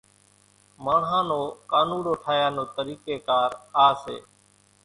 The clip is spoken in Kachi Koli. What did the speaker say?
ماڻۿان نو ڪانوڙو ٺاھيا نو طريقي ڪار آ سي